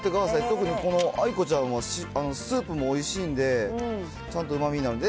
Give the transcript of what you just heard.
特にこのあいこちゃんはスープもおいしいんで、ちゃんとうまみになるんで。